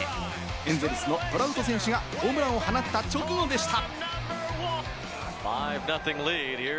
エンゼルスのトラウト選手がホームランを放った直後でした。